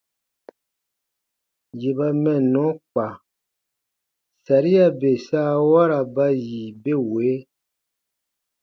Yè ba mɛnnɔ kpa, saria bè saawara ba yi be wee: